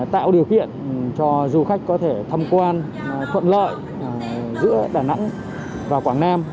tạo điều kiện cho du khách có thể tham quan thuận lợi giữa đà nẵng và quảng nam